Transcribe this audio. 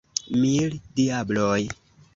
Mil diabloj!